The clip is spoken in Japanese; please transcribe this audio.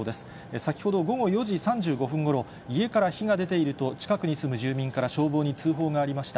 先ほど午後４時３５分ごろ、家から火が出ていると、近くに住む住民から消防に通報がありました。